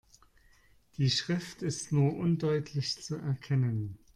Die Schrift ist nur undeutlich zu erkennen.